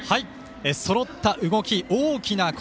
そろった動き、大きな声。